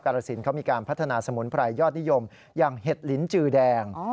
รสินเขามีการพัฒนาสมุนไพรยอดนิยมอย่างเห็ดลิ้นจือแดง